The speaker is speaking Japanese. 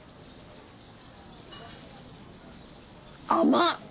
甘っ！